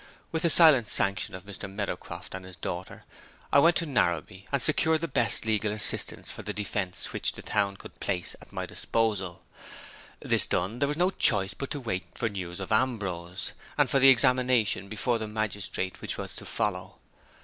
With the silent sanction of Mr. Meadowcroft and his daughter, I went to Narrabee, and secured the best legal assistance for the defense which the town could place at my disposal. This done, there was no choice but to wait for news of Ambrose, and for the examination before the magistrate which was to follow.